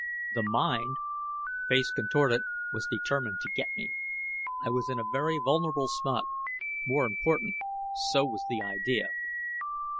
The Mind, face contorted, was determined to get me. I was in a very vulnerable spot; more important, so was the idea.